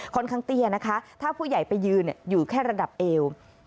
เตี้ยนะคะถ้าผู้ใหญ่ไปยืนอยู่แค่ระดับเอว